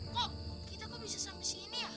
kok kita kok bisa sampai sini ya